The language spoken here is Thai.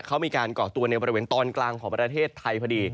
เขามีการก่อตัวในบริเวณตอนกลางของประเทศไทยพอดี